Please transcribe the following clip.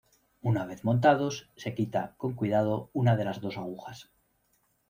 Una vez montados, se quita, con cuidado, una de las dos agujas.